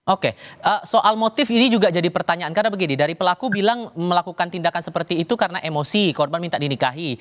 oke soal motif ini juga jadi pertanyaan karena begini dari pelaku bilang melakukan tindakan seperti itu karena emosi korban minta dinikahi